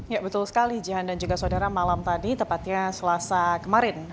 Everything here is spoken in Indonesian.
ya betul sekali jihan dan juga saudara malam tadi tepatnya selasa kemarin